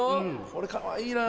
これかわいいら。